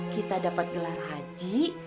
kita dapat gelar haji